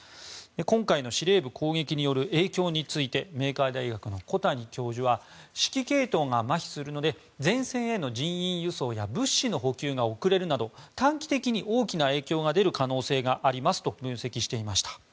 今回の司令部攻撃による影響について明海大学の小谷教授は指揮系統がまひするので前線への人員輸送や物資の補給が遅れるなど短期的に大きな影響が出る可能性がありますと指摘していました。